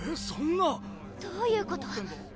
そんなどういうこと？